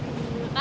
uang kecil apa